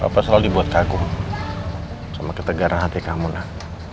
papa selalu dibuat kaku sama ketegaran hati kamu nak